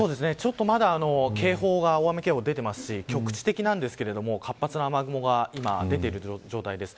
まだ大雨警報が出ていて局地的ですが活発な雨雲が出ている状態です。